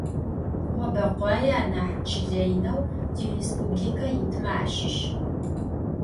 Ğobekhuaê anah çıle yineu tirêspublike yitme aşış.